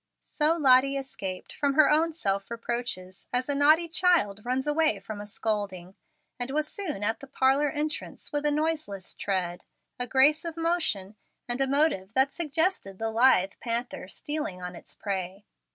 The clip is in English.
So Lottie escaped from her own self reproaches as a naughty child runs away from a scolding, and was soon at the parlor entrance with a noiseless tread, a grace of motion, and a motive that suggested the lithe panther stealing on its prey.